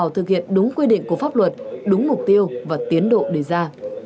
tiến độ đề ra